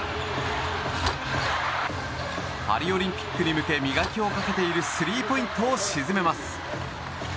パリオリンピックに向け磨きをかけているスリーポイントを沈めます。